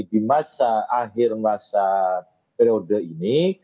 di masa akhir masa periode ini